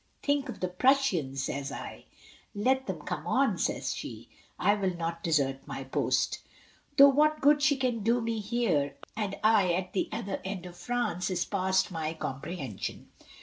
* Think of [the Prussians!' says I. *Let them come on/ says she. *I will not desert my post' Though what good she can do me here, and I at the other end of France, is past my comprehension.